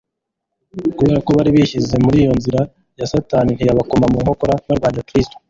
Kubera ko bari bishyize muri iyo nzira ya Satani ntiyabakoma mu ncokora barwanya Kristo.